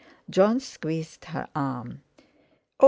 Jon squeezed her arm. "Oh!